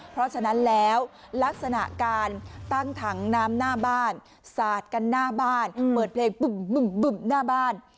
เพราะฉะนั้นแล้วลักษณะการตั้งถังน้ำหน้าบ้านสาดกันหน้าบ้านเปิดเพลงปึ่มหน้าบ้าน